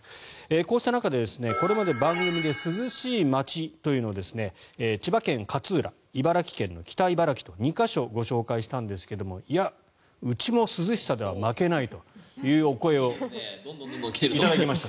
こうした中で、これまで番組で涼しい街というのを千葉県勝浦、茨城県北茨城と２か所ご紹介したんですがいや、うちも涼しさでは負けないというお声を頂きました。